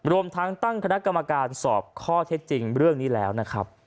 รวมทั้งตั้งคณะกรรมการสอบข้อเท็จจริงเรื่องนี้แล้วนะครับ